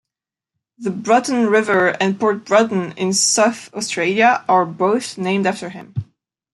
The Broughton River and Port Broughton in South Australia are both named after him.